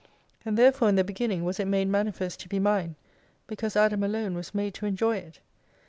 And therefore in the beginning, was it made manifest to be mine, because Adam alone was made to enjoy it.